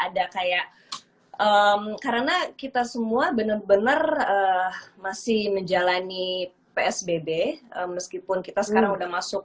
ada kayak karena kita semua benar benar masih menjalani psbb meskipun kita sekarang udah masuk